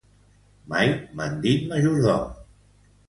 Mai m’han dit majordom.